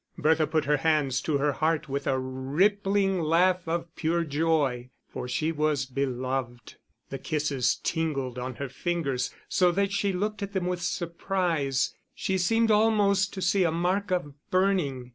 Bertha put her hands to her heart with a rippling laugh of pure joy for she was beloved. The kisses tingled on her fingers so that she looked at them with surprise, she seemed almost to see a mark of burning.